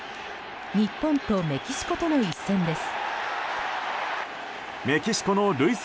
日本とメキシコとの一戦です。